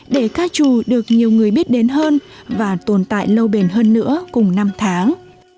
để ca trù được nhiều người biết đến hơn và tồn tại lâu bền hơn nữa cùng năm tháng